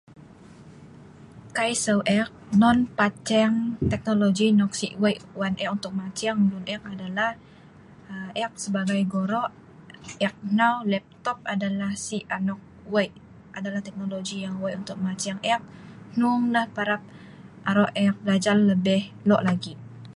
Kai seu' ek non paceng tehnologi nok si wei' wan ek untuk maceng lun ek adalah ek sebagai goro' ek nau laptop adalah si anok wei', adalah teknologi yang wei untuk maceng ek hnong nah parap aro' ek belajal lebih lo' lagi.